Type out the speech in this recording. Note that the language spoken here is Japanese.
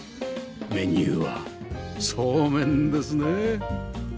メニューはそうめんですね